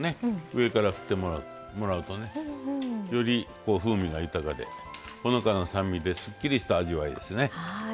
上から振ってもらうとねより風味が豊かでほのかな酸味ですっきりした味わいですね。